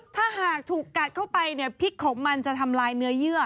ถ้าถูกกัดเข้าไปพริกของมันจะทำลายเนื้อยื่อ